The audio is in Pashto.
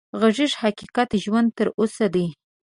غږېږه حقيقت ژوندی تر اوسه دی